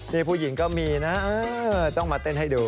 นี่ผู้หญิงก็มีนะต้องมาเต้นให้ดู